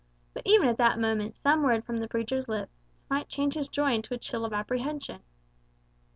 But even at that moment some word from the preacher's lips might change his joy into a chill of apprehension.